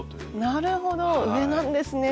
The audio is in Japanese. なるほど上なんですね。